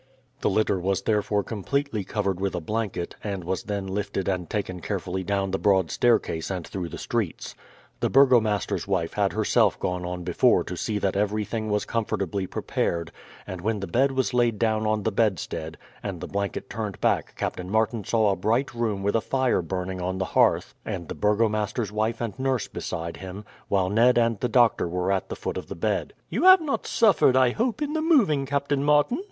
The litter was therefore completely covered with a blanket, and was then lifted and taken carefully down the broad staircase and through the streets. The burgomaster's wife had herself gone on before to see that everything was comfortably prepared, and when the bed was laid down on the bedstead and the blanket turned back Captain Martin saw a bright room with a fire burning on the hearth, and the burgomaster's wife and nurse beside him, while Ned and the doctor were at the foot of the bed. "You have not suffered, I hope, in the moving, Captain Martin?"